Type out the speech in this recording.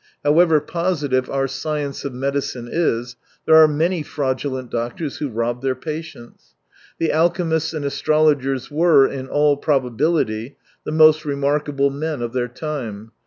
However positive our science of medicine is, there are many fraudulent doctors who rob their patients. The alchemists and astrologers were, in all probability, the most remarkable men of their time.